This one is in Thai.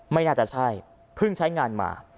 ไม่น่าจะใช่เพิ่งใช้งานมา